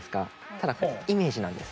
ただイメージなんです。